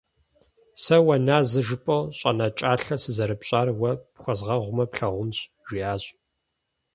«Сэ уэ назэ жыпӏэу щӏэнэкӏалъэ сызэрыпщӏар уэ пхуэзгъэгъумэ плъагъунщ», — жиӏащ.